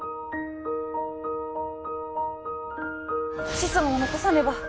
子孫を残さねば！